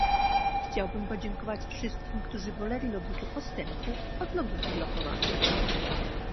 Chciałbym podziękować wszystkim, którzy woleli logikę postępu od logiki blokowania